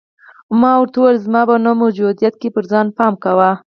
ما ورته وویل: زما په نه موجودیت کې پر ځان پام کوه.